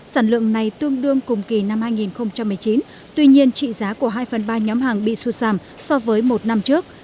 sản lượng này tương đương cùng kỳ năm hai nghìn một mươi chín tuy nhiên trị giá của hai phần ba nhóm hàng bị sụt giảm so với một năm trước